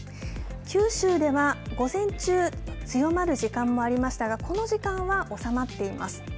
九州では午前中強まる時間もありましたがこの時間は収まっています。